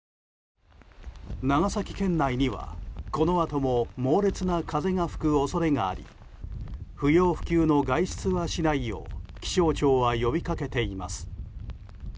長崎県内にはこのあとも猛烈な風が吹く恐れがあり不要不急の外出はしないよう気象庁は呼びかけています。